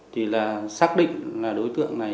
thì là xác định là đối tượng này